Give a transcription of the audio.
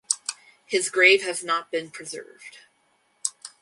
His grave has not been preserved.